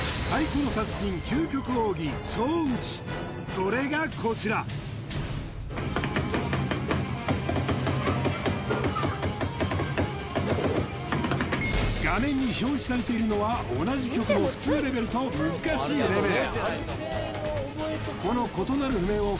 それがこちら画面に表示されているのは同じ曲のふつうレベルとむずかしいレベル